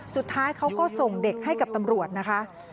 สุดท้ายเขาก็ส่งเด็กให้กับตำรวจนะคะ